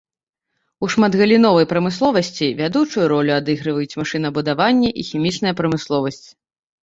У шматгаліновай прамысловасці вядучую ролю адыгрываюць машынабудаванне і хімічная прамысловасць.